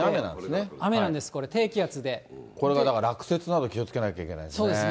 雨なんです、これ、これがだから、落雪など気をつけなきゃいけないですね。